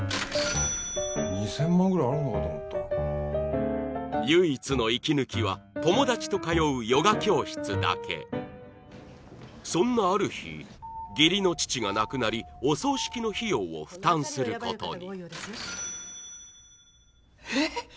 ２０００万ぐらいあるのかと思った唯一の息抜きは友達と通うヨガ教室だけそんなある日義理の父が亡くなりお葬式の費用を負担することにえっ！？